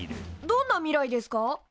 どんな未来ですか？